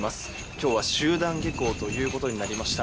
今日は集団下校ということになりました。